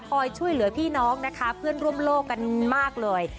ช่วยเหลือพี่น้องนะคะเพื่อนร่วมโลกกันมากเลย